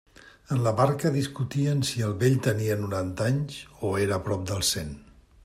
En la barca discutien si el vell tenia noranta anys o era prop dels cent.